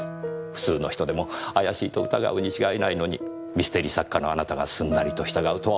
普通の人でも怪しいと疑うに違いないのにミステリー作家のあなたがすんなりと従うとは思えません。